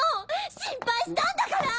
心配したんだから！